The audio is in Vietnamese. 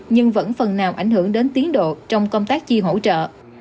nhưng vẫn phần nào ảnh hưởng đến tiến độ trong công tác chi hỗ trợ